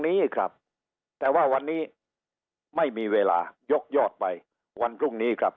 นี้ครับแต่ว่าวันนี้ไม่มีเวลายกยอดไปวันพรุ่งนี้ครับ